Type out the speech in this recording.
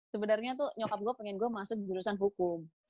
sebenarnya tuh nyokap gue pengen gue masuk jurusan hukum